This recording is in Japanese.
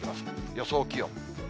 予想気温。